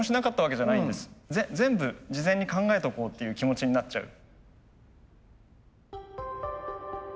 全部事前に考えておこうっていう気持ちになっちゃう。